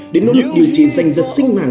đến nỗ lực điều trị danh dật sinh mạng